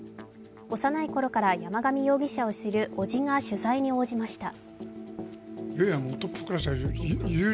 幼いころから山上容疑者を知る伯父が取材に応じました。